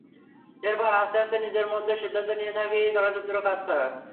এরপর আস্তে আস্তে নিজের মধ্যে সিদ্ধান্ত নিতে থাকি চলচ্চিত্রে কাজ করার।